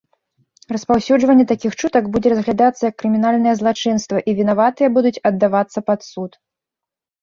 Распаўсюджванне такіх чутак будзе разглядацца як крымінальнае злачынства, і вінаватыя будуць аддавацца пад суд.